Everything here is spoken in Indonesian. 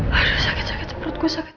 akhirnya sakit sakit perutku sakit